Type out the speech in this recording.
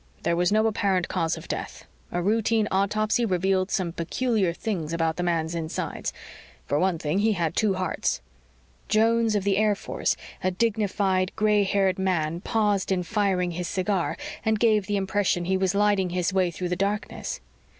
There was no apparent cause of death. A routine autopsy revealed some peculiar things about the man's insides. For one thing, he had two hearts " Jones of the Air Force, a dignified, gray haired man, paused in firing his cigar and gave the impression he was lighting his way through the darkness.